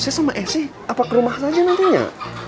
saya sama esy apa ke rumah saja nantinya